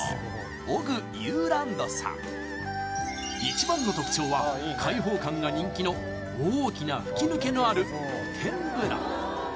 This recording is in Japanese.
尾久ゆランドさん一番の特徴は開放感が人気の大きな吹き抜けのある露天風呂